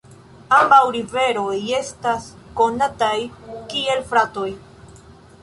Ambaŭ riveroj estas konataj kiel fratoj.